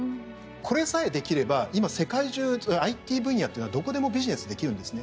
これさえできれば、今世界中ＩＴ分野というのはどこでもビジネスで期すんですね。